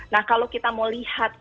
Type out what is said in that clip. nah kalau kita mau lihat